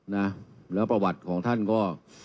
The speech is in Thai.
นะแล้วประวัติของท่านก็